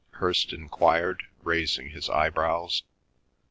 Hirst enquired, raising his eyebrows.